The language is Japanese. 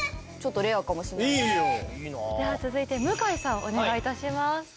では続いて向井さんお願いいたします